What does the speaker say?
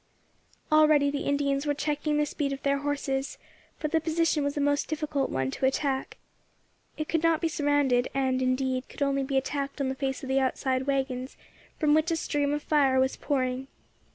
Already the Indians were checking the speed of their horses, for the position was a most difficult one to attack. It could not be surrounded, and, indeed, could only be attacked on the face of the outside waggons, from which a stream of fire was pouring.